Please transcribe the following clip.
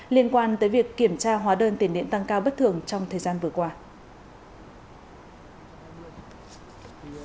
liên quan tới việc kiểm tra hóa đơn tiền điện tăng cao bất thường trong thời gian vừa qua